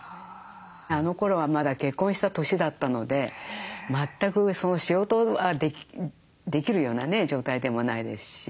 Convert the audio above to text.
あのころはまだ結婚した年だったので全く仕事はできるような状態でもないですし。